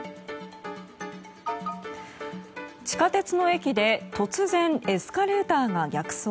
地下鉄の駅で突然、エスカレーターが逆走。